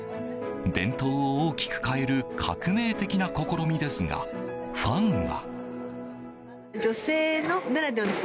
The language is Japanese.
伝統を大きく変える革命的な試みですがファンは。